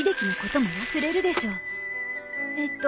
えっと。